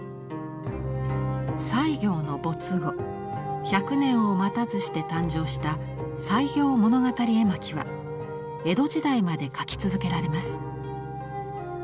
西行の没後１００年を待たずして誕生した「西行物語絵巻」は江戸時代まで描き続けられます。